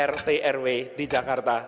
rt rw di jakarta